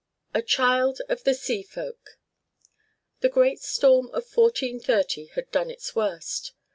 A CHILD OF THE SEA FOLK. The great storm of 1430 had done its worst.